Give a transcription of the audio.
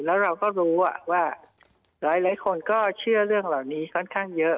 แล้วเราก็รู้ว่าหลายคนก็เชื่อเรื่องเหล่านี้ค่อนข้างเยอะ